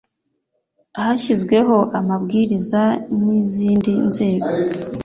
hashyizweho amabwiriza n izindi nzego